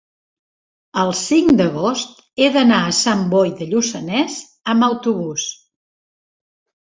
el cinc d'agost he d'anar a Sant Boi de Lluçanès amb autobús.